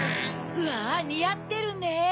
うわにあってるね。